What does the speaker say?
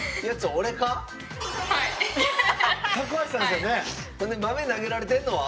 そんで豆投げられてんのは？